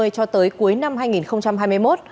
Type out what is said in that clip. cho tới cuối năm hai nghìn hai mươi một